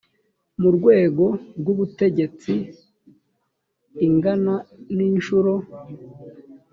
mu rwego rw ubutegetsi ingana n inshuro